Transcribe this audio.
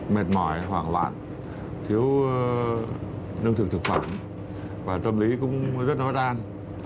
mệt mỏi hoảng loạn thiếu nương thực thực phẩm và tâm lý cũng rất nót an